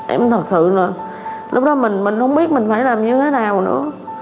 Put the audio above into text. em thật sự là lúc đó mình không biết mình phải làm như thế nào nữa